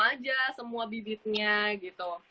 aja semua bibitnya gitu